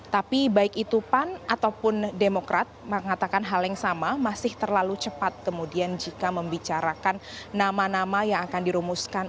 tapi baik itu pan ataupun demokrat mengatakan hal yang sama masih terlalu cepat kemudian jika membicarakan nama nama yang akan dirumuskan